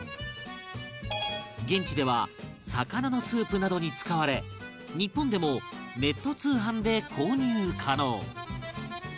現地では魚のスープなどに使われ日本でもネット通販で購入可能